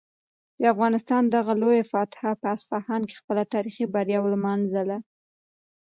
د افغانستان دغه لوی فاتح په اصفهان کې خپله تاریخي بریا ولمانځله.